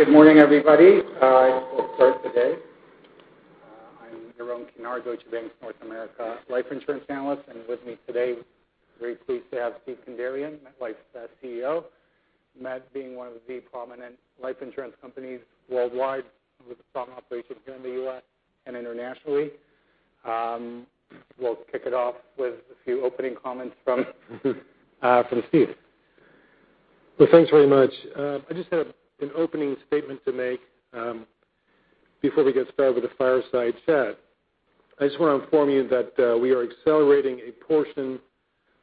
Good morning, everybody. I will start today. I'm Yaron Kinar, Deutsche Bank's North America life insurance analyst. With me today, very pleased to have Steven Kandarian, MetLife's CEO. Met being one of the prominent life insurance companies worldwide with strong operations here in the U.S. and internationally. We'll kick it off with a few opening comments from Steve. Thanks very much. I just have an opening statement to make before we get started with the fireside chat. I just want to inform you that we are accelerating a portion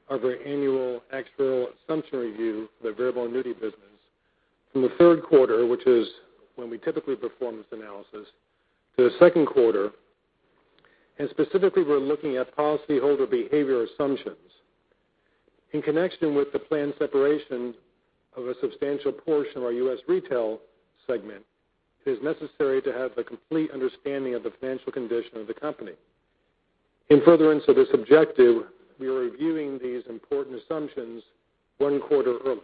of our annual actuarial assumption review of the variable annuity business from the third quarter, which is when we typically perform this analysis, to the second quarter. Specifically, we're looking at policyholder behavior assumptions. In connection with the planned separation of a substantial portion of our U.S. retail segment, it is necessary to have a complete understanding of the financial condition of the company. In furtherance of this objective, we are reviewing these important assumptions one quarter early.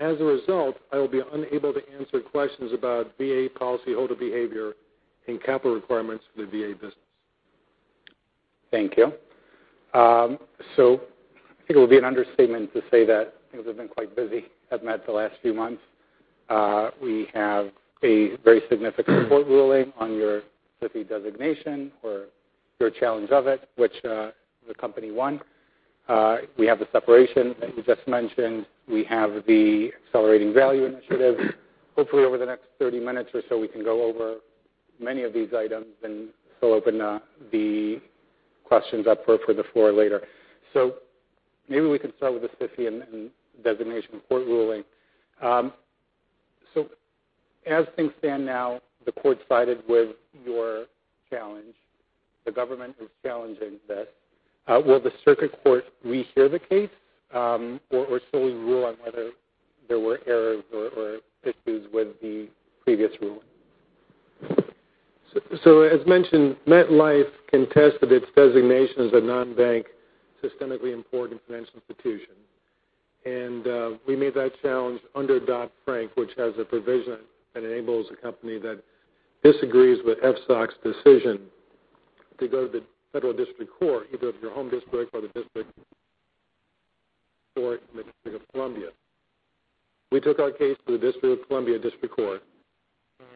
As a result, I will be unable to answer questions about VA policyholder behavior and capital requirements for the VA business. Thank you. I think it would be an understatement to say that things have been quite busy at Met the last few months. We have a very significant court ruling on your SIFI designation or your challenge of it, which the company won. We have the separation that you just mentioned. We have the Accelerating Value initiative. Hopefully, over the next 30 minutes or so, we can go over many of these items and still open the questions up for the floor later. Maybe we can start with the SIFI and designation court ruling. As things stand now, the court sided with your challenge. The government is challenging this. Will the circuit court rehear the case, or solely rule on whether there were errors or issues with the previous ruling? As mentioned, MetLife contested its designation as a non-bank systemically important financial institution. We made that challenge under Dodd-Frank, which has a provision that enables a company that disagrees with FSOC's decision to go to the federal district court, either of your home district or the district court in the District of Columbia. We took our case to the District of Columbia District Court,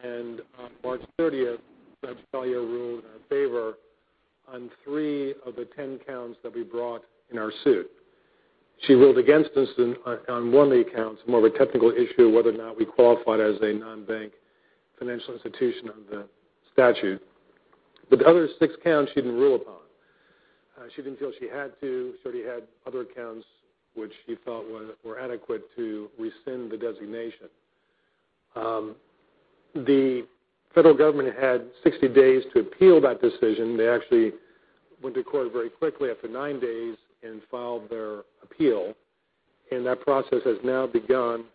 and on March 30th, Judge Collyer ruled in our favor on three of the 10 counts that we brought in our suit. She ruled against us on one of the accounts, more of a technical issue, whether or not we qualified as a non-bank financial institution under the statute. But the other six counts she didn't rule upon. She didn't feel she had to. She already had other accounts which she felt were adequate to rescind the designation. The federal government had 60 days to appeal that decision. They actually went to court very quickly after 9 days and filed their appeal, and that process has now begun.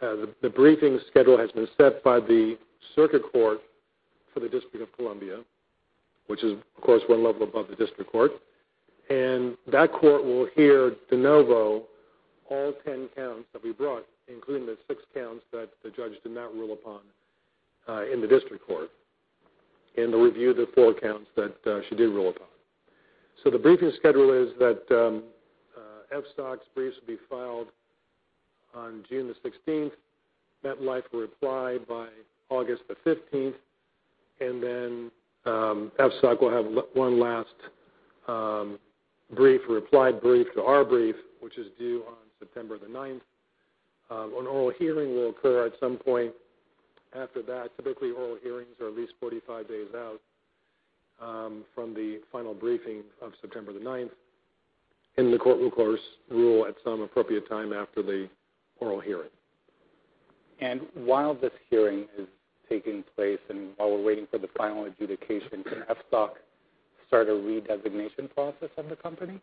The briefing schedule has been set by the Circuit Court for the District of Columbia, which is, of course, one level above the district court. That court will hear de novo all 10 counts that we brought, including the 6 counts that the judge did not rule upon in the district court, and to review the 4 counts that she did rule upon. The briefing schedule is that FSOC's briefs will be filed on June 16th. MetLife will reply by August 15th. FSOC will have one last reply brief to our brief, which is due on September 9th. An oral hearing will occur at some point after that. Typically, oral hearings are at least 45 days out from the final briefing of September 9th. The court will, of course, rule at some appropriate time after the oral hearing. While this hearing is taking place, and while we're waiting for the final adjudication, can FSOC start a redesignation process of the company?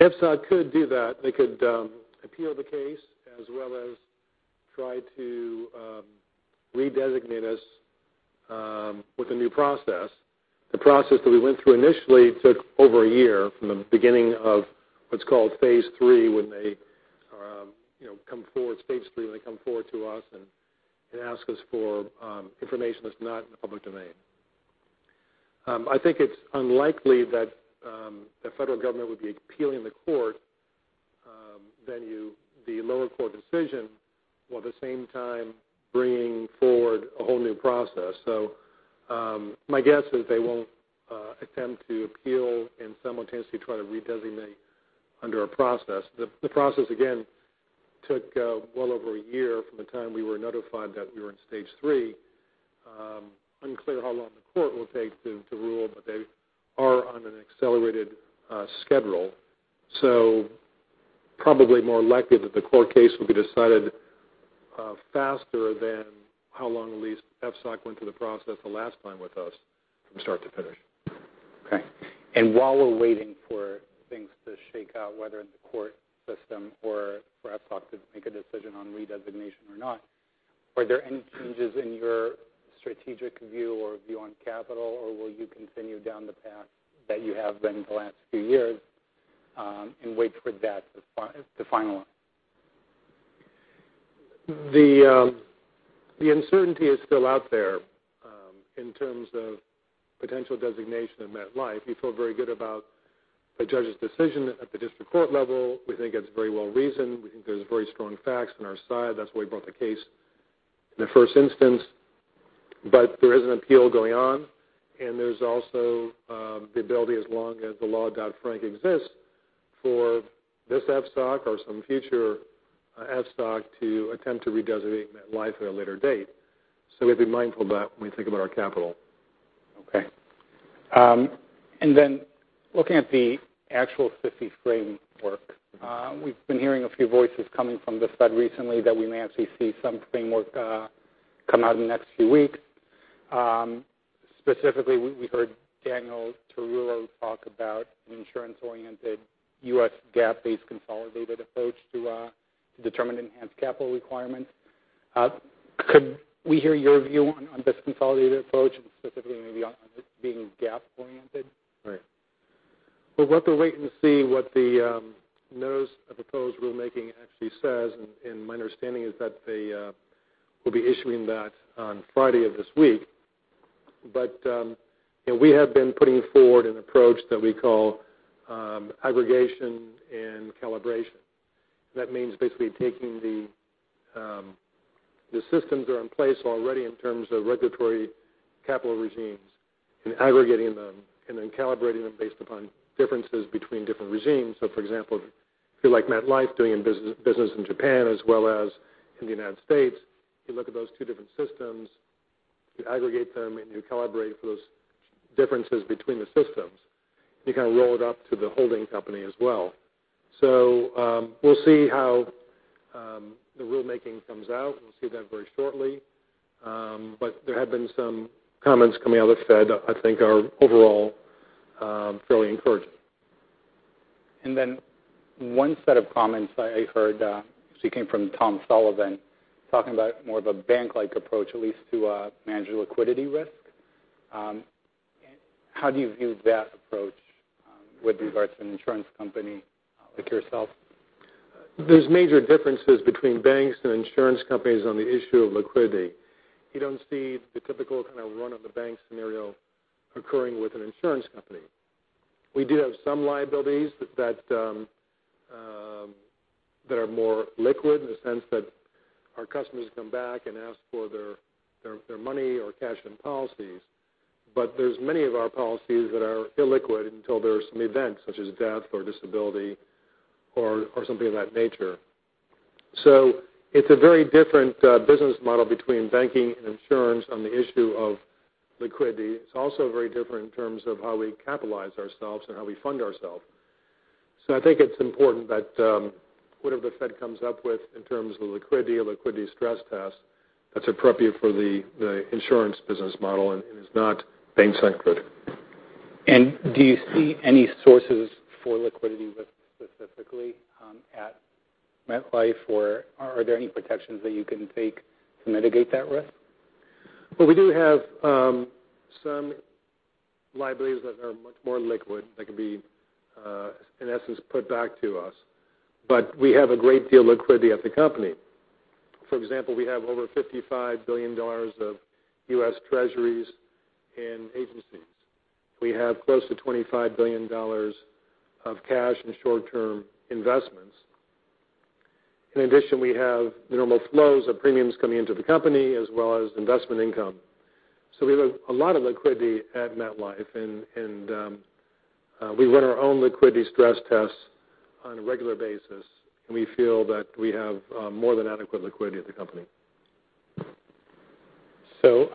FSOC could do that. They could appeal the case as well as try to redesignate us with a new process. The process that we went through initially took over a year from the beginning of what's called phase 3, when they come forward to us and ask us for information that's not in the public domain. I think it's unlikely that the federal government would be appealing the court value, the lower court decision, while at the same time bringing forward a whole new process. My guess is they won't attempt to appeal and simultaneously try to redesignate under a process. The process, again, took well over a year from the time we were notified that we were in stage 3. It is unclear how long the court will take to rule. They are on an accelerated schedule, probably more likely that the court case will be decided faster than how long at least FSOC went through the process the last time with us from start to finish. Okay. While we're waiting for things to shake out, whether in the court system or for FSOC to make a decision on redesignation or not, were there any changes in your strategic view or view on capital, or will you continue down the path that you have been the last few years, and wait for that to finalize? The uncertainty is still out there in terms of potential designation of MetLife. We feel very good about the judge's decision at the district court level. We think it's very well-reasoned. We think there's very strong facts on our side. That's why we brought the case in the first instance. There is an appeal going on, and there's also the ability, as long as the law Dodd-Frank exists, for this FSOC or some future FSOC to attempt to redesignate MetLife at a later date. We have to be mindful of that when we think about our capital. Okay. Looking at the actual CCFS framework, we've been hearing a few voices coming from the Fed recently that we may actually see some framework come out in the next few weeks. Specifically, we heard Daniel Tarullo talk about an insurance-oriented US GAAP-based consolidated approach to determine enhanced capital requirements. Could we hear your view on this consolidated approach, and specifically maybe on this being GAAP-oriented? Well, we'll wait and see what the notice of proposed rulemaking actually says. My understanding is that they will be issuing that on Friday of this week. We have been putting forward an approach that we call aggregation and calibration. That means basically taking the systems that are in place already in terms of regulatory capital regimes and aggregating them and then calibrating them based upon differences between different regimes. For example, if you're like MetLife doing business in Japan as well as in the United States, you look at those two different systems, you aggregate them, and you calibrate for those differences between the systems. You kind of roll it up to the holding company as well. We'll see how the rulemaking comes out. We'll see that very shortly. There have been some comments coming out of the Fed I think are overall fairly encouraging. One set of comments I heard actually came from Tom Sullivan talking about more of a bank-like approach, at least to manage liquidity risk. How do you view that approach with regards to an insurance company like yourself? There's major differences between banks and insurance companies on the issue of liquidity. You don't see the typical kind of run-on-the-bank scenario occurring with an insurance company. We do have some liabilities that are more liquid in the sense that our customers come back and ask for their money or cash and policies. There's many of our policies that are illiquid until there's some event such as death or disability or something of that nature. It's a very different business model between banking and insurance on the issue of liquidity. It's also very different in terms of how we capitalize ourselves and how we fund ourselves. I think it's important that whatever the Fed comes up with in terms of liquidity or liquidity stress tests, that's appropriate for the insurance business model and is not bank-centric. Do you see any sources for liquidity risk specifically at MetLife, or are there any protections that you can take to mitigate that risk? We do have some liabilities that are much more liquid, that can be, in essence, put back to us. We have a great deal of liquidity at the company. For example, we have over $55 billion of U.S. Treasuries in agencies. We have close to $25 billion of cash and short-term investments. In addition, we have normal flows of premiums coming into the company, as well as investment income. We have a lot of liquidity at MetLife, and we run our own liquidity stress tests on a regular basis, and we feel that we have more than adequate liquidity at the company.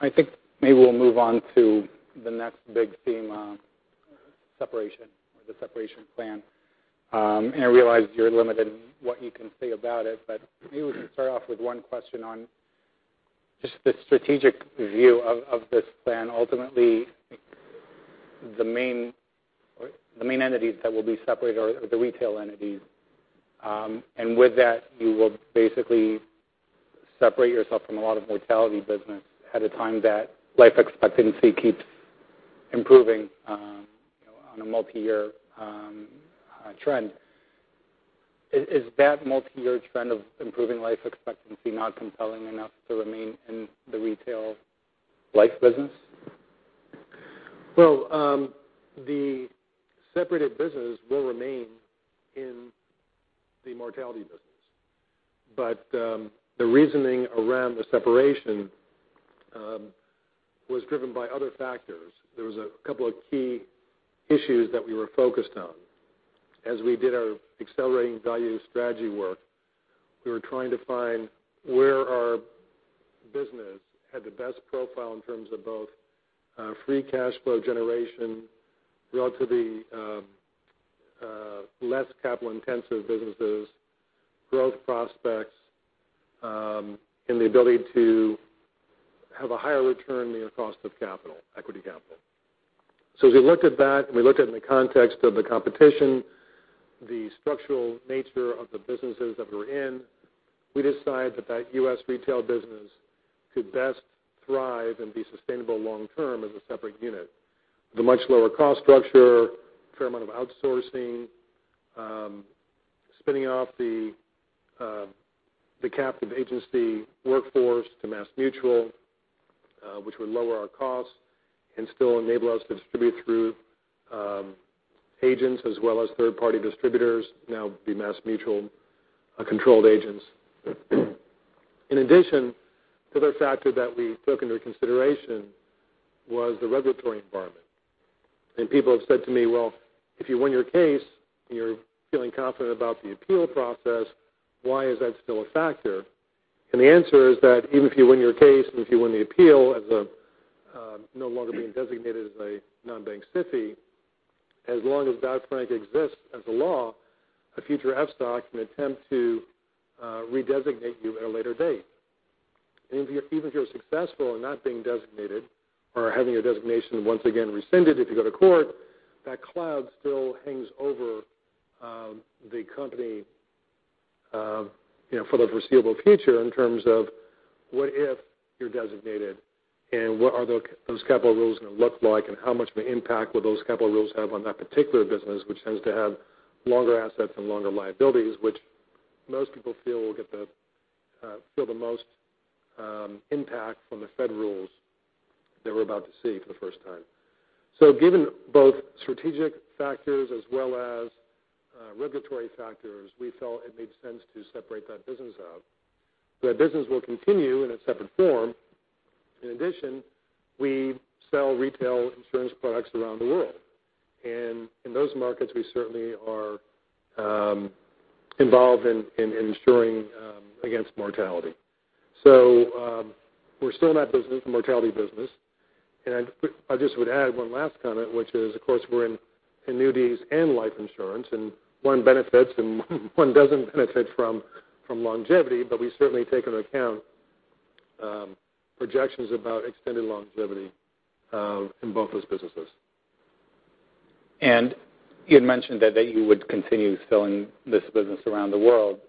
I think maybe we'll move on to the next big theme, separation or the separation plan. I realize you're limited in what you can say about it, but maybe we can start off with one question on just the strategic view of this plan. Ultimately, the main entities that will be separated are the retail entities. With that, you will basically separate yourself from a lot of mortality business at a time that life expectancy keeps improving on a multi-year trend. Is that multi-year trend of improving life expectancy not compelling enough to remain in the retail life business? The separated business will remain in the mortality business, but the reasoning around the separation was driven by other factors. There was a couple of key issues that we were focused on. As we did our Accelerating Value strategy work, we were trying to find where our business had the best profile in terms of both free cash flow generation relative to the less capital-intensive businesses, growth prospects, and the ability to have a higher return than your cost of equity capital. As we looked at that, and we looked at it in the context of the competition, the structural nature of the businesses that we're in, we decided that that U.S. retail business could best thrive and be sustainable long term as a separate unit. With a much lower cost structure, a fair amount of outsourcing, spinning off the captive agency workforce to MassMutual which would lower our costs and still enable us to distribute through agents as well as third-party distributors, now the MassMutual-controlled agents. The other factor that we took into consideration was the regulatory environment. People have said to me, "Well, if you win your case and you're feeling confident about the appeal process, why is that still a factor?" The answer is that even if you win your case, if you win the appeal as no longer being designated as a non-bank SIFI, as long as Dodd-Frank exists as a law, a future FSOC can attempt to re-designate you at a later date. Even if you're successful in not being designated or having your designation once again rescinded, if you go to court, that cloud still hangs over the company for the foreseeable future in terms of, what if you're designated and what are those capital rules going to look like, and how much of an impact will those capital rules have on that particular business, which tends to have longer assets and longer liabilities, which most people feel the most impact from the Fed rules that we're about to see for the first time. Given both strategic factors as well as regulatory factors, we felt it made sense to separate that business out. That business will continue in a separate form. We sell retail insurance products around the world, and in those markets, we certainly are involved in insuring against mortality. We're still in that business, the mortality business. I just would add one last comment, which is, of course, we're in annuities and life insurance, and one benefits and one doesn't benefit from longevity, but we certainly take into account projections about extended longevity in both those businesses. You had mentioned that you would continue selling this business around the world.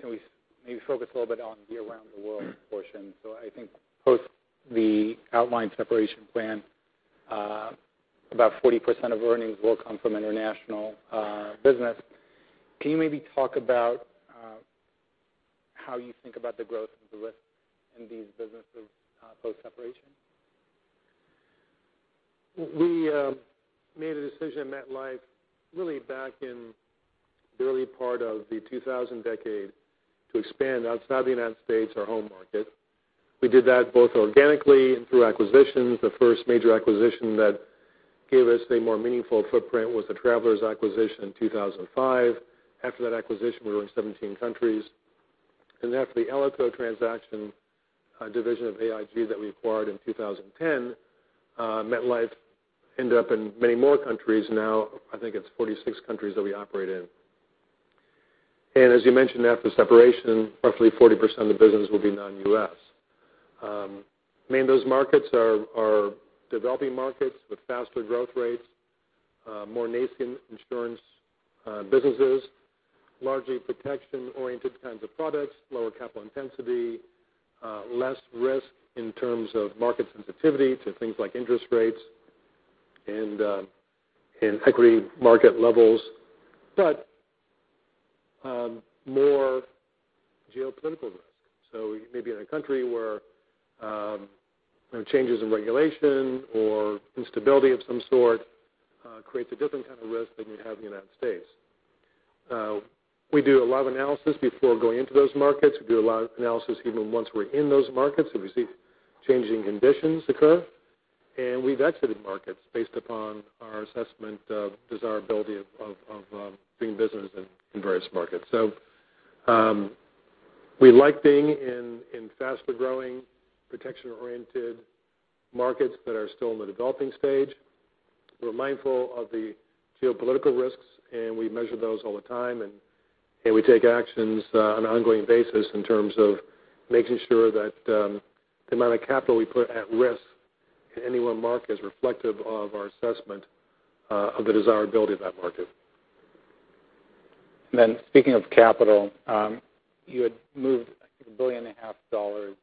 Can we maybe focus a little bit on the around the world portion? I think post the outlined separation plan, about 40% of earnings will come from international business. Can you maybe talk about how you think about the growth of the risks in these businesses post-separation? We made a decision at MetLife really back in the early part of the 2000 decade to expand outside the U.S., our home market. We did that both organically and through acquisitions. The first major acquisition that gave us a more meaningful footprint was the Travelers acquisition in 2005. After that acquisition, we were in 17 countries. After the ALICO transaction, a division of AIG that we acquired in 2010, MetLife ended up in many more countries. Now I think it's 46 countries that we operate in. As you mentioned, after separation, roughly 40% of the business will be non-U.S. Many of those markets are developing markets with faster growth rates, more nascent insurance businesses, largely protection-oriented kinds of products, lower capital intensity, less risk in terms of market sensitivity to things like interest rates and equity market levels, but more geopolitical risk. Maybe in a country where changes in regulation or instability of some sort creates a different kind of risk than you have in the U.S. We do a lot of analysis before going into those markets. We do a lot of analysis even once we're in those markets, if we see changing conditions occur. We've exited markets based upon our assessment of desirability of doing business in various markets. We like being in faster-growing, protection-oriented markets that are still in the developing stage. We're mindful of the geopolitical risks, and we measure those all the time, and we take actions on an ongoing basis in terms of making sure that the amount of capital we put at risk in any one market is reflective of our assessment of the desirability of that market. Speaking of capital, you had moved, I think, a billion and a half dollars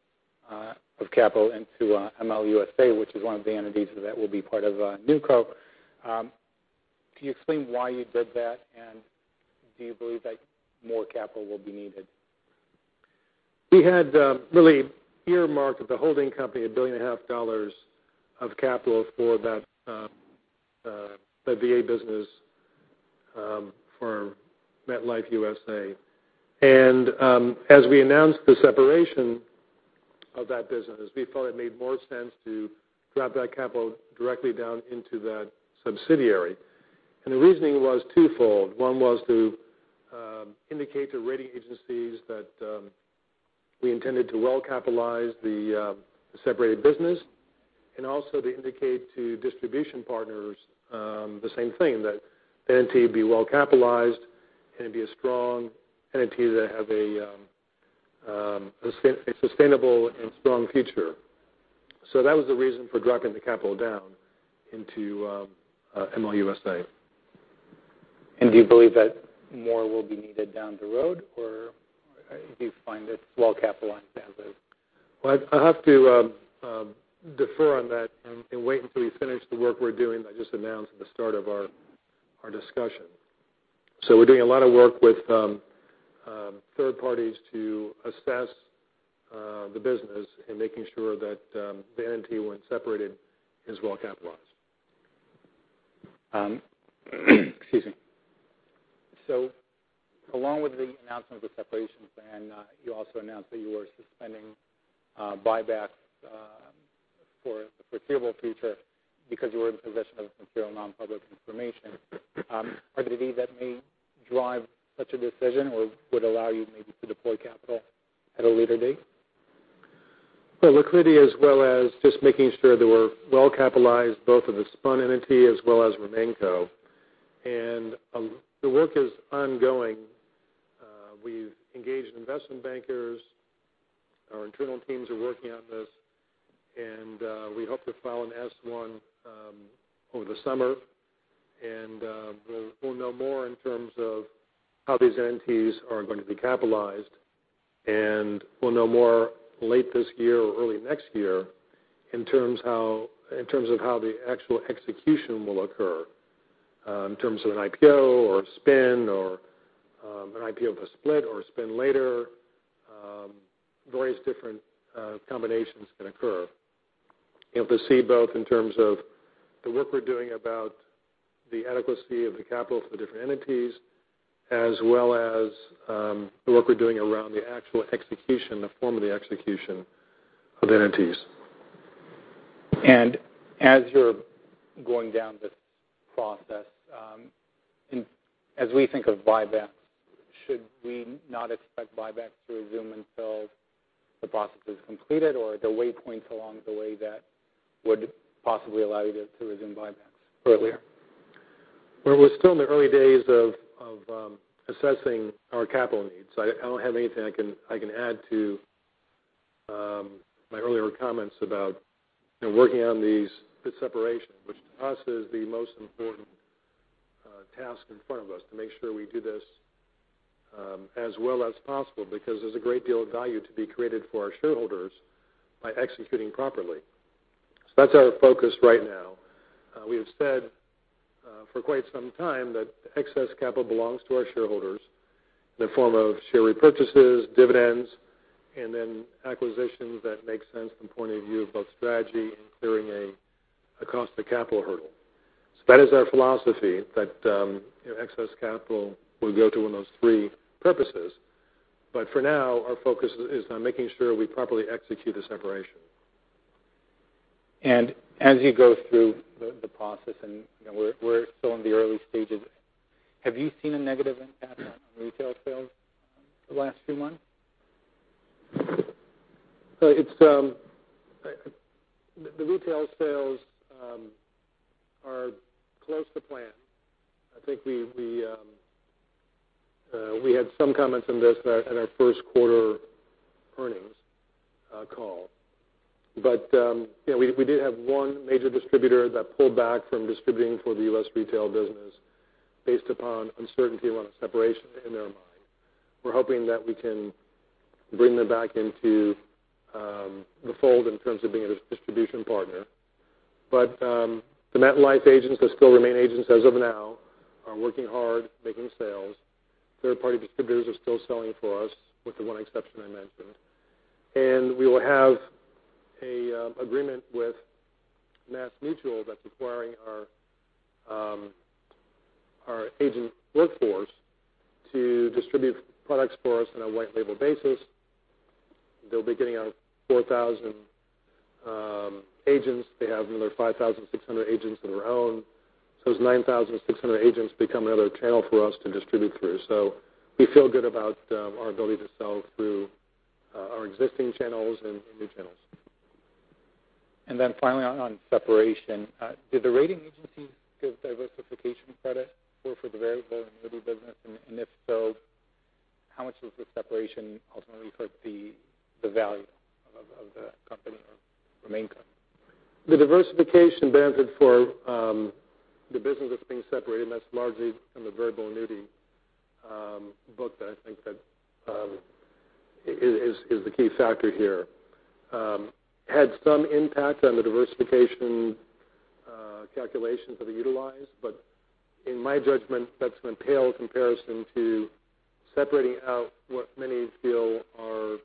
of capital into MetLife USA, which is one of the entities that will be part of NewCo. Can you explain why you did that, and do you believe that more capital will be needed? We had really earmarked with the holding company a billion and a half dollars of capital for that VA business for MetLife USA. As we announced the separation of that business, we felt it made more sense to drop that capital directly down into that subsidiary. The reasoning was twofold. One was to indicate to rating agencies that we intended to well-capitalize the separated business. Also to indicate to distribution partners the same thing, that the entity be well-capitalized and be a strong entity that have a sustainable and strong future. That was the reason for dropping the capital down into MetLife USA. Do you believe that more will be needed down the road, or do you find it well-capitalized as is? I'd have to defer on that and wait until we finish the work we're doing that I just announced at the start of our discussion. We're doing a lot of work with third parties to assess the business and making sure that the entity, when separated, is well capitalized. Excuse me. Along with the announcement of the separation plan, you also announced that you were suspending buybacks for the foreseeable future because you were in possession of material non-public information. Are there any that may drive such a decision or would allow you maybe to deploy capital at a later date? Liquidity as well as just making sure that we're well capitalized, both of the spun entity as well as RemainCo. The work is ongoing. We've engaged investment bankers. Our internal teams are working on this, and we hope to file an S-1 over the summer. We'll know more in terms of how these entities are going to be capitalized, and we'll know more late this year or early next year in terms of how the actual execution will occur, in terms of an IPO or a spin or an IPO of a split or a spin later. Various different combinations can occur. You'll have to see both in terms of the work we're doing about the adequacy of the capital for the different entities, as well as the work we're doing around the actual execution, the form of the execution of the entities. As you're going down this process, as we think of buybacks, should we not expect buybacks to resume until the process is completed? Or are there way points along the way that would possibly allow you to resume buybacks earlier? Well, we're still in the early days of assessing our capital needs. I don't have anything I can add to my earlier comments about working on this separation. Which to us is the most important task in front of us, to make sure we do this as well as possible, because there's a great deal of value to be created for our shareholders by executing properly. That's our focus right now. We have said for quite some time that excess capital belongs to our shareholders in the form of share repurchases, dividends, and then acquisitions that make sense from the point of view of both strategy and clearing a cost of capital hurdle. That is our philosophy, that excess capital will go to one of those three purposes. For now, our focus is on making sure we properly execute the separation. As you go through the process, and we're still in the early stages, have you seen a negative impact on retail sales the last few months? The retail sales are close to plan. I think we had some comments on this at our first quarter earnings call. We did have one major distributor that pulled back from distributing for the U.S. retail business based upon uncertainty around the separation in their mind. We're hoping that we can bring them back into the fold in terms of being a distribution partner. The MetLife agents that still remain agents as of now are working hard, making sales. Third-party distributors are still selling for us, with the one exception I mentioned. We will have an agreement with MassMutual that's acquiring our agent workforce to distribute products for us on a white label basis. They'll be getting our 4,000 agents. They have another 5,600 agents of their own. Those 9,600 agents become another channel for us to distribute through. We feel good about our ability to sell through our existing channels and new channels. Finally, on separation, did the rating agencies give diversification credit for the variable annuity business? If so, how much does the separation ultimately hurt the value of the company or RemainCo? The diversification benefit for the business that's being separated, and that's largely from the variable annuity book that I think that is the key factor here, had some impact on the diversification calculations that are utilized. In my judgment, that's going to pale in comparison to separating out what many feel are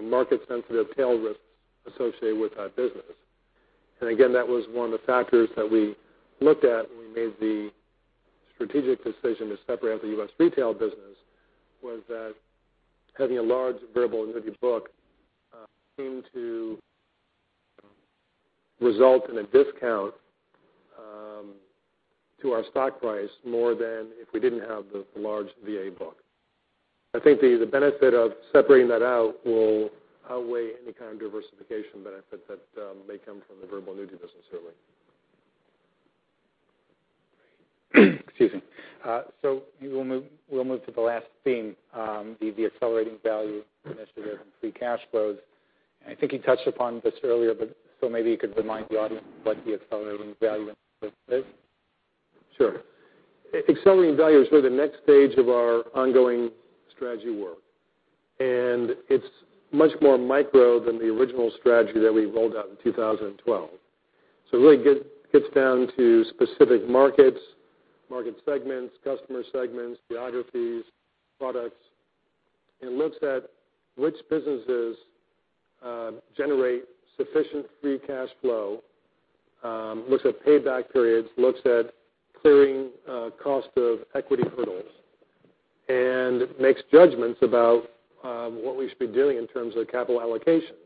market-sensitive tail risks associated with that business. Again, that was one of the factors that we looked at when we made the strategic decision to separate out the U.S. retail business, was that having a large variable annuity book seemed to result in a discount to our stock price more than if we didn't have the large VA book. I think the benefit of separating that out will outweigh any kind of diversification benefit that may come from the variable annuity business, really. Excuse me. We'll move to the last theme, the Accelerating Value initiative and free cash flows. I think you touched upon this earlier, maybe you could remind the audience what the Accelerating Value is? Sure. Accelerating Value is really the next stage of our ongoing strategy work, and it's much more micro than the original strategy that we rolled out in 2012. It really gets down to specific markets, market segments, customer segments, geographies, products, and looks at which businesses generate sufficient free cash flow, looks at payback periods, looks at clearing cost of equity hurdles, and makes judgments about what we should be doing in terms of capital allocation.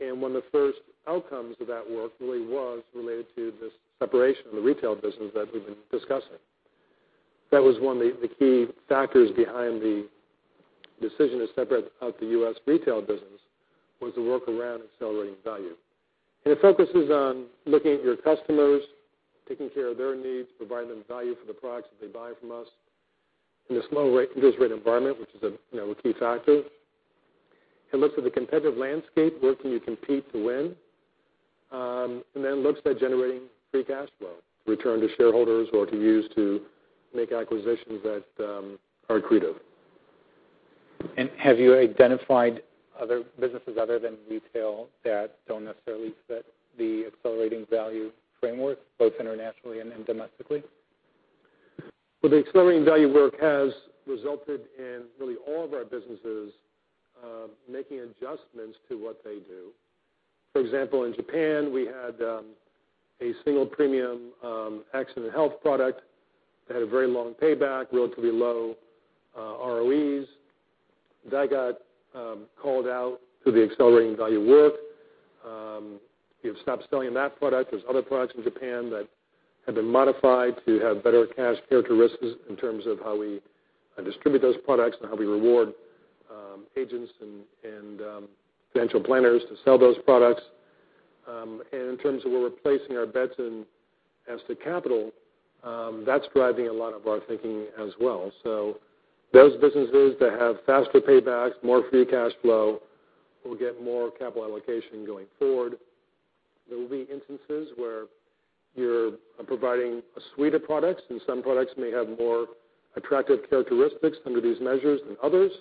One of the first outcomes of that work really was related to this separation of the retail business that we've been discussing. That was one of the key factors behind the decision to separate out the U.S. retail business, was the work around Accelerating Value. It focuses on looking at your customers, taking care of their needs, providing them value for the products that they buy from us in this low interest rate environment, which is a key factor. It looks at the competitive landscape, where can you compete to win, and then looks at generating free cash flow, return to shareholders or to use to make acquisitions that are accretive. Have you identified other businesses other than retail that don't necessarily fit the Accelerating Value framework, both internationally and in domestically? Well, the Accelerating Value work has resulted in really all of our businesses making adjustments to what they do. For example, in Japan, we had a single premium accident health product that had a very long payback, relatively low ROEs. That got called out through the Accelerating Value work. We have stopped selling that product. There's other products in Japan that have been modified to have better cash characteristics in terms of how we distribute those products and how we reward agents and financial planners to sell those products. In terms of we're replacing our bets in as to capital, that's driving a lot of our thinking as well. Those businesses that have faster paybacks, more free cash flow, will get more capital allocation going forward. There will be instances where you are providing a suite of products, and some products may have more attractive characteristics under these measures than others.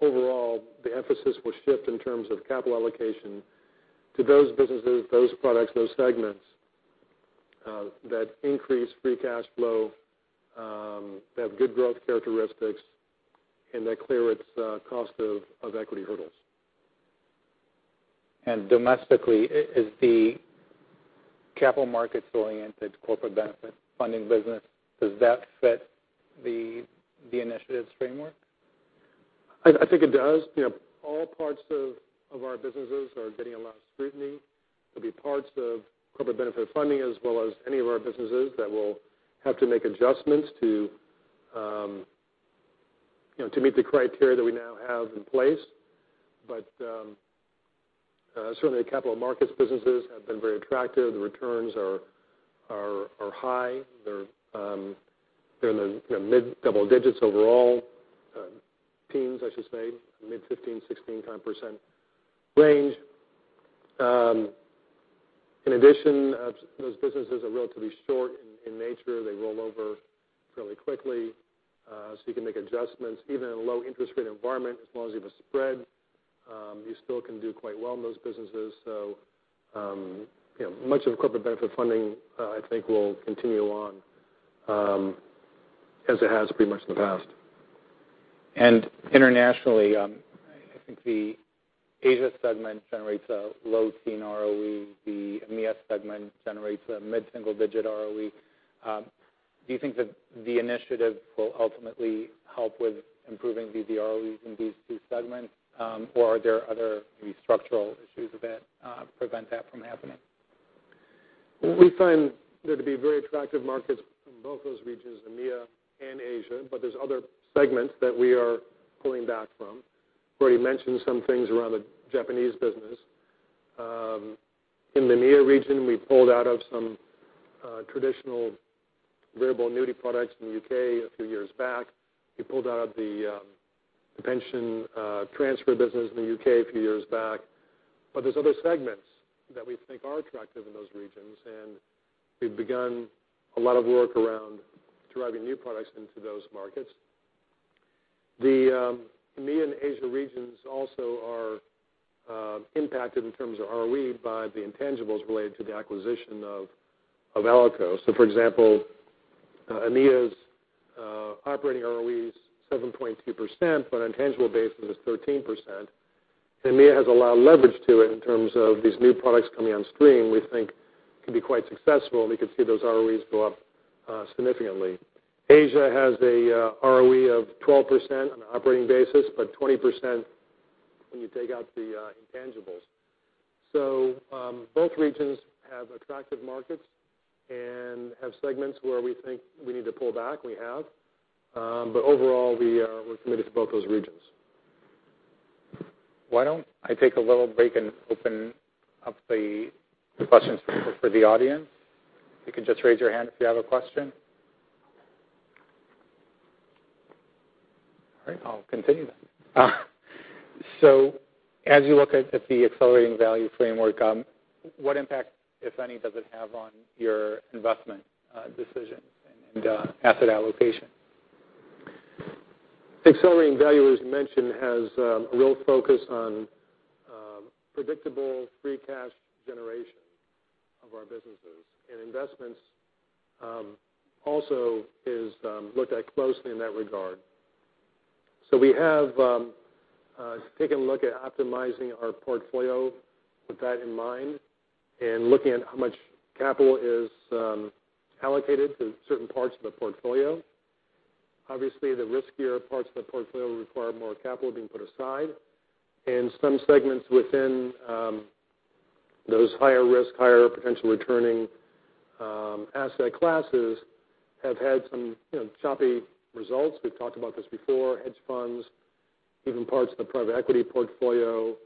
Overall, the emphasis will shift in terms of capital allocation to those businesses, those products, those segments, that increase free cash flow, that have good growth characteristics, and that clear its cost of equity hurdles. Domestically, is the capital markets-oriented corporate benefit funding business, does that fit the initiatives framework? I think it does. All parts of our businesses are getting a lot of scrutiny. There'll be parts of corporate benefit funding as well as any of our businesses that will have to make adjustments to meet the criteria that we now have in place. Certainly capital markets businesses have been very attractive. The returns are high. They're in the mid-double digits overall, teens, I should say, mid 15%, 16% kind of range. In addition, those businesses are relatively short in nature. They roll over fairly quickly, so you can make adjustments. Even in a low interest rate environment, as long as you have a spread, you still can do quite well in those businesses. Much of the corporate benefit funding, I think, will continue on as it has pretty much in the past. Internationally, I think the Asia segment generates a low teen ROE. The EMEA segment generates a mid-single digit ROE. Do you think that the initiative will ultimately help with improving the ROEs in these two segments? Are there other maybe structural issues that prevent that from happening? We find there to be very attractive markets in both those regions, EMEA and Asia. There's other segments that we are pulling back from. Already mentioned some things around the Japanese business. In the EMEA region, we pulled out of some traditional variable annuity products in the U.K. a few years back. We pulled out of the pension transfer business in the U.K. a few years back. There's other segments that we think are attractive in those regions, and we've begun a lot of work around driving new products into those markets. The EMEA and Asia regions also are impacted in terms of ROE by the intangibles related to the acquisition of ALICO. For example, EMEA's operating ROE is 7.2%, but on a tangible basis it's 13%. EMEA has a lot of leverage to it in terms of these new products coming on stream we think could be quite successful, and we could see those ROEs go up significantly. Asia has an ROE of 12% on an operating basis, 20% when you take out the intangibles. Both regions have attractive markets and have segments where we think we need to pull back, we have. Overall, we're committed to both those regions. Why don't I take a little break and open up the questions for the audience. You can just raise your hand if you have a question. All right, I'll continue then. As you look at the Accelerating Value framework, what impact, if any, does it have on your investment decisions and asset allocation? Accelerating Value, as you mentioned, has a real focus on predictable free cash generation of our businesses, and investments also is looked at closely in that regard. We have taken a look at optimizing our portfolio with that in mind and looking at how much capital is allocated to certain parts of the portfolio. Obviously, the riskier parts of the portfolio require more capital being put aside, and some segments within those higher risk, higher potential returning asset classes have had some choppy results. We've talked about this before, hedge funds, even parts of the private equity portfolio.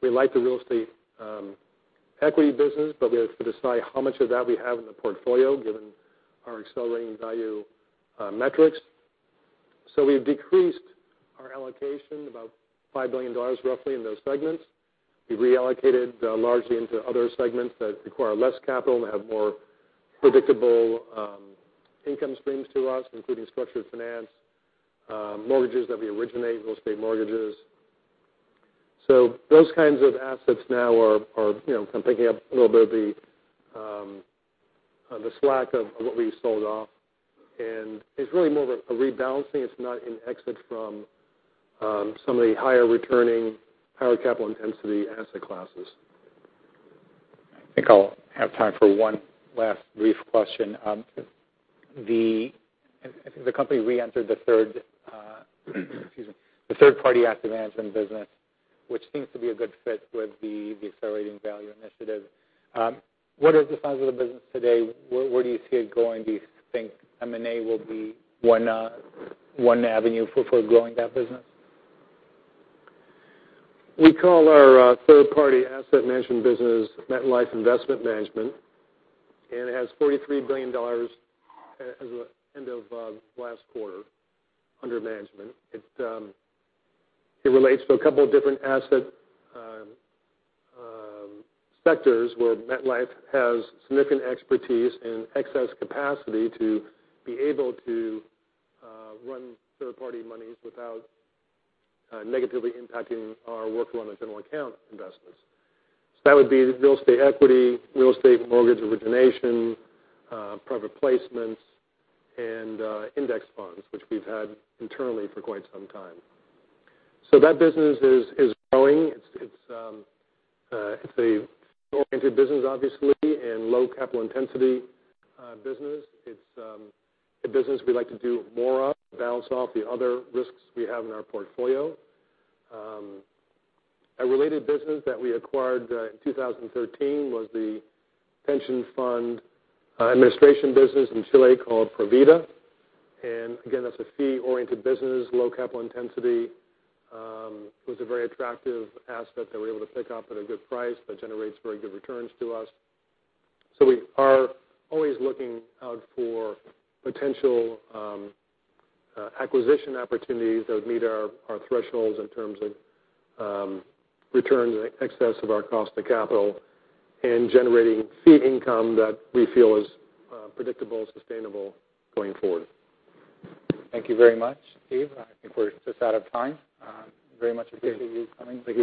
We like the real estate equity business, but we have to decide how much of that we have in the portfolio, given our Accelerating Value metrics. We've decreased our allocation, about $5 billion roughly in those segments. We reallocated largely into other segments that require less capital and have more predictable income streams to us, including structured finance, mortgages that we originate, real estate mortgages. Those kinds of assets now are kind of picking up a little bit of the slack of what we sold off, and it's really more of a rebalancing. It's not an exit from some of the higher returning, higher capital intensity asset classes. I think I'll have time for one last brief question. I think the company reentered the third-party active management business, which seems to be a good fit with the Accelerating Value initiative. What is the size of the business today? Where do you see it going? Do you think M&A will be one avenue for growing that business? We call our third-party asset management business MetLife Investment Management. It has $43 billion as of end of last quarter under management. It relates to a couple of different asset sectors where MetLife has significant expertise and excess capacity to be able to run third-party monies without negatively impacting our work on the general account investments. That would be real estate equity, real estate mortgage origination, private placements, and index funds, which we've had internally for quite some time. That business is growing. It's a fee-oriented business, obviously, and low capital intensity business. It's a business we like to do more of to balance off the other risks we have in our portfolio. A related business that we acquired in 2013 was the pension fund administration business in Chile called Provida. Again, that's a fee-oriented business, low capital intensity. It was a very attractive asset that we were able to pick up at a good price that generates very good returns to us. We are always looking out for potential acquisition opportunities that would meet our thresholds in terms of returns in excess of our cost of capital and generating fee income that we feel is predictable and sustainable going forward. Thank you very much, Steve. I think we're just out of time. Very much appreciate you coming. Thank you very much.